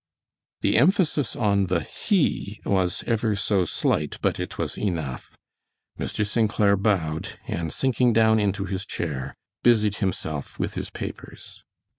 The emphasis on the he was ever so slight, but it was enough. Mr. St. Clair bowed, and sinking down into his chair, busied himself with his papers.